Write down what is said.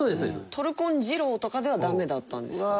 「トルコンじろう」とかではダメだったんですか？